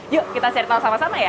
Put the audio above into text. yuk kita cari tahu sama sama ya